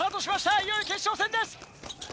いよいよ決勝戦です！